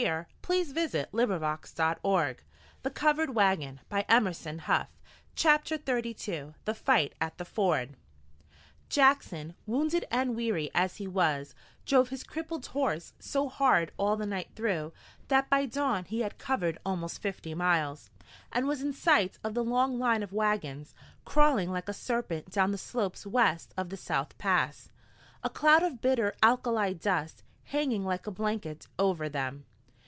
"I wish I wish " "I wish them other wagons'd come," said Molly Wingate. "Then we'd see!" CHAPTER XXXII THE FIGHT AT THE FORD Jackson, wounded and weary as he was, drove his crippled horse so hard all the night through that by dawn he had covered almost fifty miles, and was in sight of the long line of wagons, crawling like a serpent down the slopes west of the South Pass, a cloud of bitter alkali dust hanging like a blanket over them.